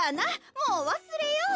もうわすれよう。